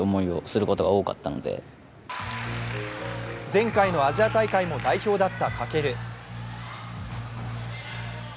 前回のアジア大会も代表だった翔。